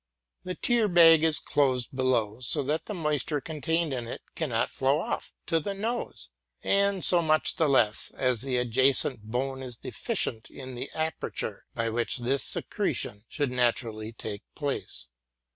The tear bag is closed below, so that the moisture contained in it cannot flow off to the nose, and so much the less as the adjacent bone is deficient in the aperture by which this secretion should. naturally take place.